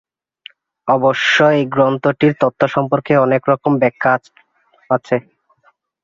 অবশ্য এই গ্রন্থটির তথ্য সম্পর্কে অনেক রকম ব্যাখ্যা আছে।